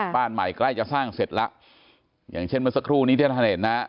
บ้านใหม่ใกล้จะสร้างเสร็จแล้วอย่างเช่นเมื่อสักครู่นี้ที่ท่านเห็นนะฮะ